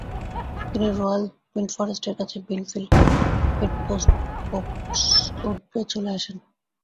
তিনি Royal Windsor Forest এর কাছে বিনফিল্ড এর পোপসউড এ চলে আসেন।